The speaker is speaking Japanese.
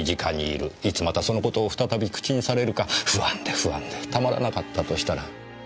いつまたそのことを再び口にされるか不安で不安でたまらなかったとしたら。